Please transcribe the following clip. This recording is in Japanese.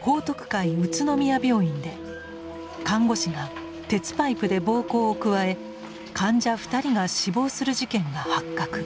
報徳会宇都宮病院で看護師が鉄パイプで暴行を加え患者２人が死亡する事件が発覚。